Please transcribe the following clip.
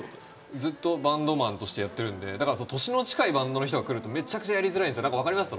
ずっとバンドマンとしてやってるんで、年の近いバンドマンが来るとやりづらいんです。